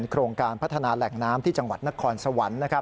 โครงการพัฒนาแหล่งน้ำที่จังหวัดนครสวรรค์